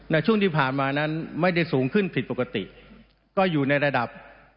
ช่วงที่ผ่านมานั้นไม่ได้สูงขึ้นผิดปกติก็อยู่ในระดับ